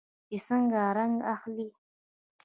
چې څنګه رنګ اخلي.